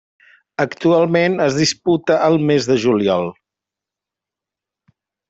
Actualment es disputa al mes de juliol.